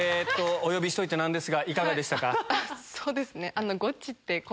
お呼びしといて何ですがいかがでしたか？